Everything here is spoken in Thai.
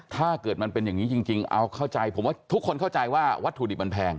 ถ้าเกิดมันเป็นอย่างนี้จริงเอาเข้าใจผมว่าทุกคนเข้าใจว่าวัตถุดิบมันแพง